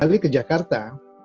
lalu ke jakarta